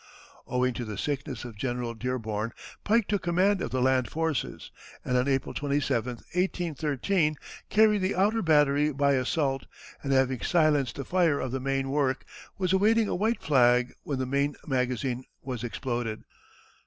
Owing to the sickness of General Dearborn, Pike took command of the land forces, and on April 27, 1813, carried the outer battery by assault, and having silenced the fire of the main work was awaiting a white flag when the main magazine was exploded.